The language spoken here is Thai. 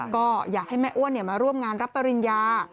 ก็อยากให้แม่อ้วนมาร่วมงานรับปริญญา